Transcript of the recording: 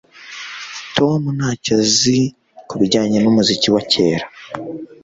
Tom ntacyo azi kubijyanye numuziki wa kera